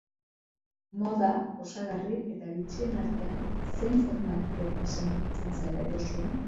Moda, osagarri eta bitxien artean, zein formaturekin sentitzen zara erosoen?